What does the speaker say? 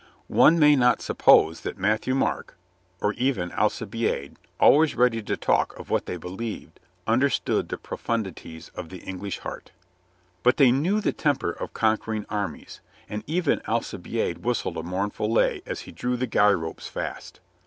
One may not suppose that Mat thieu Marc, or even Alcibiade, always ready to talk of what they believed, understood the profundities of the English heart. But they knew the temper of conquering armies, and even Alcibiade whistled a mournful lay as he drew the guy ropes fast.